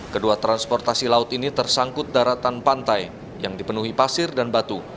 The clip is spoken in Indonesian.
kedua transportasi laut ini tersangkut daratan pantai yang dipenuhi pasir dan batu